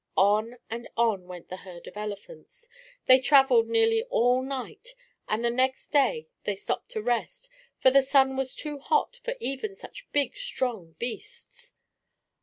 On and on went the herd of elephants. They traveled nearly all night, and the next day they stopped to rest, for the sun was too hot for even such big, strong beasts.